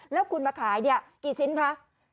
แล้วคุณมาขายกี่ชิ้นคะ